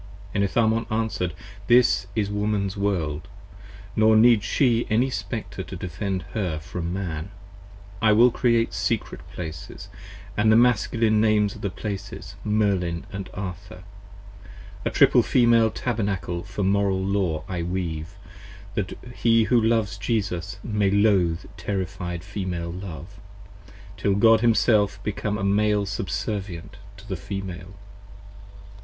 Enitharmon answer'd: This is Woman's World, nor need she any Spectre to defend her from Man. I will Create secret places, And the masculine names of the places, Merlin & Arthur. A triple Female Tabernacle for Moral Law I weave 20 That he who loves Jesus may loathe terrified Female love, Till God himself become a Male subservient to the Female.